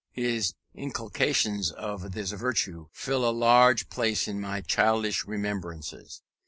His inculcations of this virtue fill a large place in my childish remembrances.